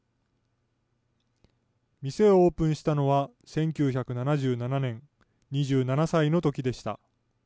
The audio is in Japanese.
店をオープンしたのは１９７７年、２７歳のときでした。